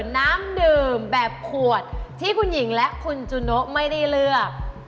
น้ำดื่มแบบขวดที่คุณหญิงและคุณจูโนไม่ได้เลือก